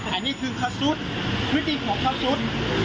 อันนี้คือพื้นที่ของเขาซุด